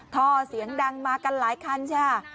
ท่อเสียงดังมากันหลายคันค่ะ